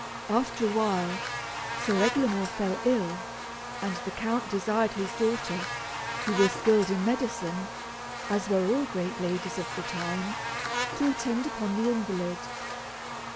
After a while, Sir Eglamour fell ill, and the count desired his daughter, who was skilled in medicine, as were all great ladies of the time, to attend upon the invalid.